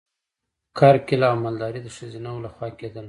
کرکیله او مالداري د ښځینه وو لخوا کیدله.